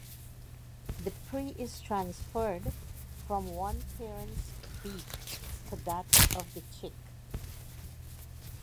The prey is transferred from one parent's beak to that of the chick.